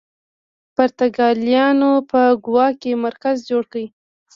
پرتګالیانو په ګوا کې مرکز جوړ کړ.